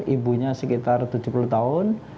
ibunya sekitar tujuh puluh tahun